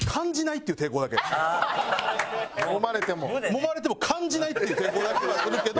揉まれても感じないっていう抵抗だけはするけど。